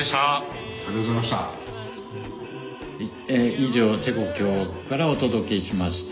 以上チェコ共和国からお届けしました。